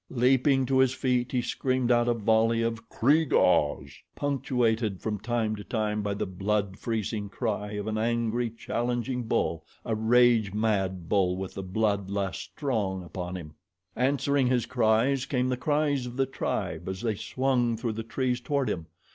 Leaping to his feet he screamed out a volley of "Kreegahs," punctuated from time to time by the blood freezing cry of an angry, challenging bull a rage mad bull with the blood lust strong upon him. Answering his cries came the cries of the tribe as they swung through the trees toward him.